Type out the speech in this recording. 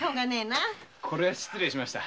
これは失礼しました。